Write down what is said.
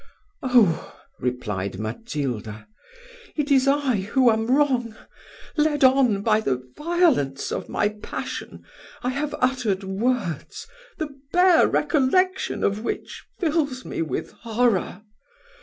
"Oh!" replied Matilda, "it is I who am wrong: led on by the violence of my passion, I have uttered words, the bare recollection of which fills me with horror.